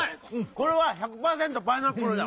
これは１００パーセント「パイナップル」だ！